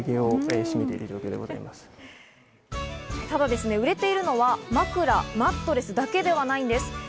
ただ、売れているのは枕、マットレスだけではないんです。